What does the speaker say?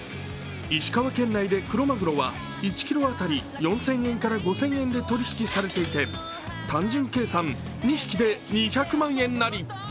石川県内でクロマグロは１ｋｇ当たり４０００円から５０００円で取引きされていて、単純計算、２匹で２００万円也。